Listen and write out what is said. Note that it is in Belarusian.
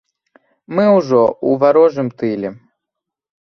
Мы ўжо ў варожым тыле.